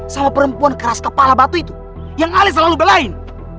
sama perempuan keras kepala batu itu yang ali selalu belain